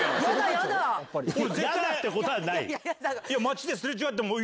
ヤダってことはない！